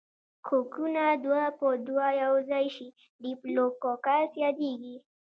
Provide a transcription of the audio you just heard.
کوکونه دوه په دوه یوځای شي ډیپلو کوکس یادیږي.